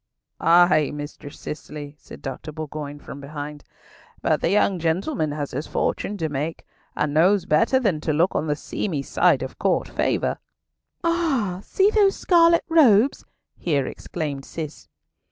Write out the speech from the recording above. "Ay, Mistress Cicely," said Dr. Bourgoin from behind, "but the young gentleman has his fortune to make, and knows better than to look on the seamy side of Court favour." "Ah! see those scarlet robes," here exclaimed Cis.